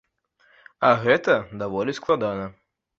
А гэта даволі складана.